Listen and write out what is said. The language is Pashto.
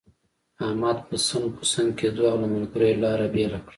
احمد پسن پسن کېدو، او له ملګرو يې لاره بېله کړه.